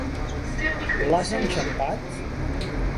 L'has enxampat?